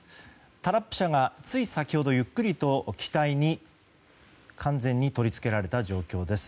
タラップ車がつい先ほど、ゆっくりと機体に完全に取り付けられた状況です。